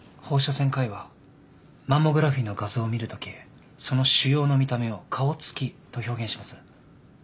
放射線科医はマンモグラフィーの画像を見るときその腫瘍の見た目を顔つきと表現します。